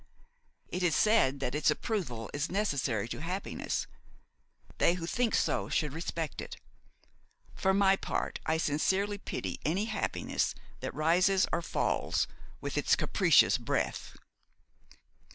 It is said that its approval is necessary to happiness; they who think so should respect it. For my part, I sincerely pity any happiness that rises or falls with its capricious breath."